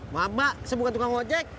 maaf mbak saya bukan tukang ojek